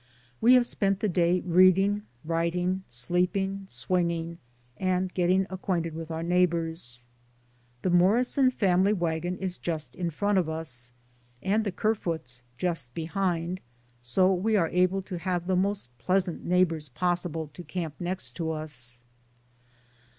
We have spent the day reading, writing, sleeping, swinging, and getting acquainted with our neighbors. The Morrison family wagon is just in front of us, and the Ker foot's just behind, so we are to have the most pleasant neighbors possible to camp next to us.